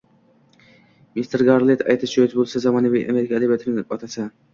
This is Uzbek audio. Mister Garlend, aytish joiz bo‘lsa, zamonaviy Amerika adabiyotining otasi